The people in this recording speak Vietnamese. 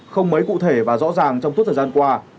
không mấy cụ thể và rõ ràng trong suốt thời gian qua